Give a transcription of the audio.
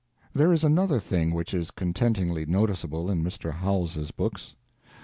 There is another thing which is contentingly noticeable in Mr. Howells's books.